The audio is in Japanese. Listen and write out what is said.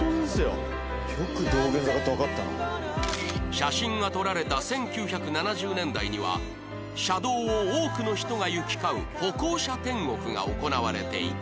写真が撮られた１９７０年代には車道を多くの人が行き交う歩行者天国が行われていた